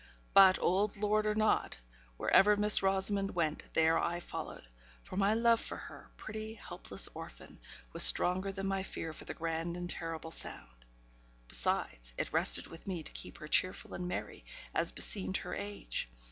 But, old lord, or not, wherever Miss Rosamond went, there I followed; for my love for her, pretty, helpless orphan, was stronger than my fear for the grand and terrible sound. Besides, it rested with me to keep her cheerful and merry, as beseemed her age.